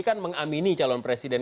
kan mengamini calon presiden